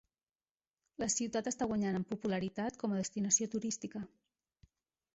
La ciutat està guanyant en popularitat com a destinació turística.